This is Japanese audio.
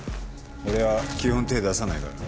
俺は基本手ぇ出さないから。